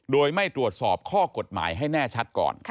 โดยไม่ตรวจสอบข้อกฎหมายให้แน่ชัดก่อน